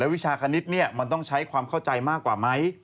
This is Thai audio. วิชาคณิตมันต้องใช้ความเข้าใจมากกว่าไหม